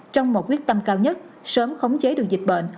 trong một quyết tâm cao nhất sớm khống chế được dịch bệnh